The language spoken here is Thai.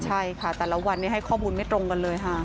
ใช่ค่ะแต่ละวันนี้ให้ข้อมูลไม่ตรงกันเลยค่ะ